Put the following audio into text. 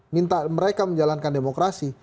minta mereka menjalankan demokrasi